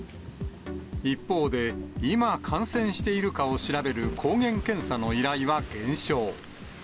一方で、今、感染しているかを調べる抗原検査の依頼は減少。